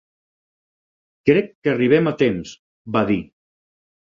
"Crec que arribem temps", va dir.